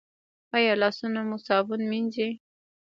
ایا لاسونه مو صابون مینځئ؟